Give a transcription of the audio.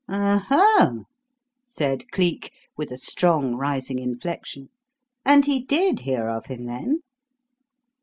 "Oho!" said Cleek, with a strong, rising inflection. "And he did hear of him, then?"